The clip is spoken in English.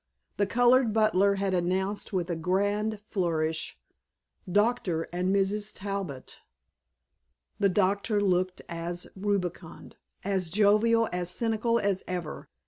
The colored butler had announced with a grand flourish: "Dr. and Mrs. Talbot." The doctor looked as rubicund, as jovial, as cynical as ever.